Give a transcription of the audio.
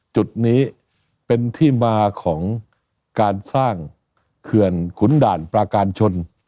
จุดนี้เป็นที่มาของการสร้างเขื่อนขุนด่านปราการชน